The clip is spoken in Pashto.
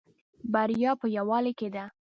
بریا په یوالی کې ده